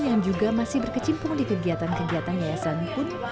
yang juga masih berkecimpung di kegiatan kegiatan yayasan pun